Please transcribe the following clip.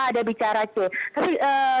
ada bicara itu tapi